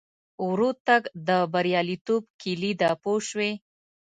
ورو تګ د بریالیتوب کیلي ده پوه شوې!.